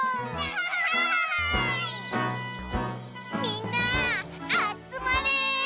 みんなあつまれ！